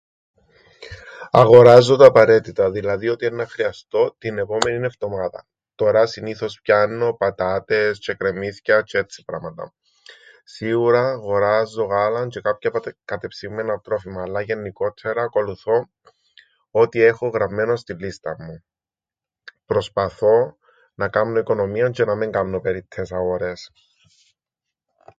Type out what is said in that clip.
Αγοράζω τα απαραίτητα, δηλαδή οτι εννά χρειαστώ την επόμενην εφτομάδαν. Τωρά συνήθως πιάννω πατάτες τζ̆αι κρεμμύθκια τζ̆αι έτσι πράματα. Σίουρα γοράζω γάλαν τζ̆αι κάποια που τα κατεψυγμένα τρόφιμα, αλλά γεννικόττερα ακολουθώ ό,τι έχω γραμμένον στην λίσταν μου. Προσπαθώ να κάμνω οικονομίαν τζ̆αι να μεν κάμνω περιττές αγορές.